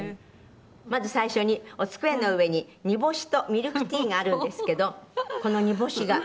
まず最初にお机の上に煮干しとミルクティーがあるんですけどこの煮干しが。